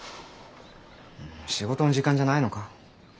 仕事の時間じゃないのか。